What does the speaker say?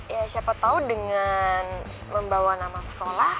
ya siapa tahu dengan membawa nama sekolah